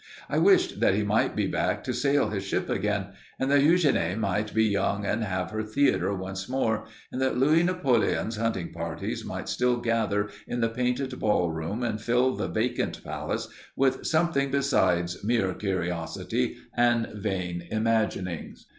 I wished that he might be back to sail his ship again, and that Eugénie might be young and have her theater once more, and that Louis Napoleon's hunting parties might still gather in the painted ball room and fill the vacant palace with something besides mere curiosity and vain imaginings.